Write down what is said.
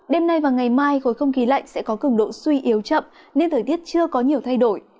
đêm nay và ngày mai khối không khí lạnh sẽ có cứng độ suy yếu chậm nên thời tiết chưa có nhiều thay đổi